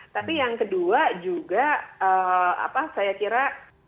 tapi yang kedua juga apa saya kira